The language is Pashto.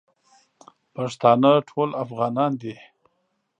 پښتانه ټول افغانان دی